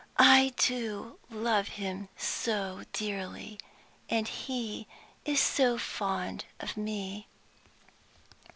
I do love him so dearly, and he is so fond of me!